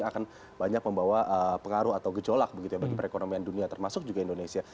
akan banyak membawa pengaruh atau gejolak begitu ya bagi perekonomian dunia termasuk juga indonesia